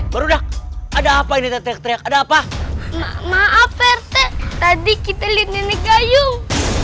ferda ada apa ini tetap rek opotk toldy kita reducing yayung